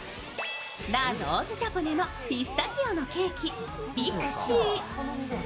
ラ・ローズ・ジャポネのピスタチオのケーキ、ピクシー。